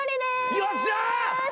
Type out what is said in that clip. よっしゃ！